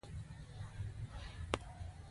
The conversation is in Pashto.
په دې لوست کې به د عبدالرحمان بابا په اړه ولولئ.